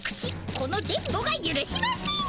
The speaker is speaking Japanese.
この電ボがゆるしません！